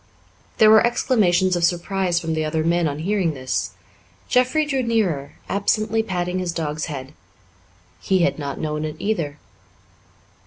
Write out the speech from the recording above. There were exclamations of surprise from the other men on hearing this. Jeffrey drew nearer, absently patting his dog's head. He had not known it either.